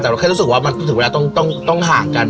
แต่เราแค่รู้สึกว่ามันถึงเวลาต้องห่างกัน